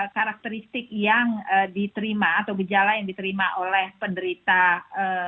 karakteristik yang diterima atau gejala yang diterima oleh penderitaan